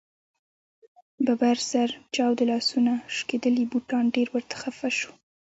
ببر سر، چاودې لاسونه ، شکېدلي بوټان ډېر ورته خفه شو.